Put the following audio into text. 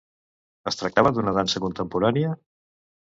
Es tractava d'una dansa contemporània?